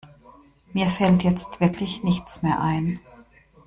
Mir fällt jetzt wirklich nichts mehr ein.